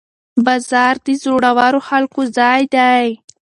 بازار د زړورو خلکو ځای دی.